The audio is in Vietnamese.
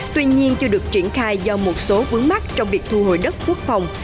tuy nhiên chưa được triển khai do một số vướng mắt trong việc thu hồi đất quốc phòng